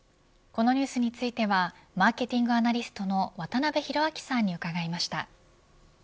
このニュースについてはマーケティングアナリストの渡辺広明さんに伺いました。